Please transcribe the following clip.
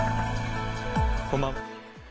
こんばんは。